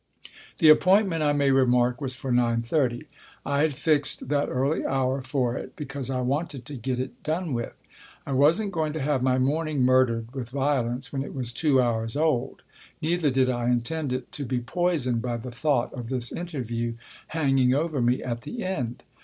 The appointment, I may remark, was for nine thirty. I had fixed that early hour for it because I wanted to get it done with. I wasn't going to have my morning murdered with violence when it was two hours old ; neither did I intend it to be poisoned by the thought of this interview hanging over me at the end.